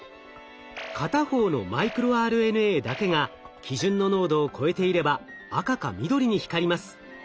片方のマイクロＲＮＡだけが基準の濃度を超えていれば赤か緑に光ります。